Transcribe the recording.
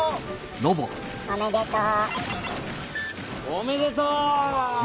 おめでとう！